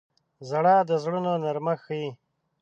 • ژړا د زړونو نرمښت ښيي.